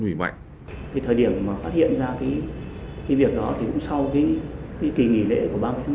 thời điểm mà phát hiện ra cái việc đó thì cũng sau cái kỳ nghỉ lễ của ba mươi tháng bốn